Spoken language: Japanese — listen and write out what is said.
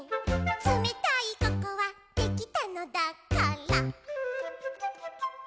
「つめたいココアできたのだから」